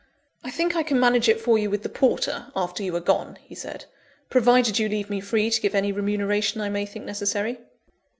"I think I can manage it for you with the porter, after you are gone," he said, "provided you leave me free to give any remuneration I may think necessary."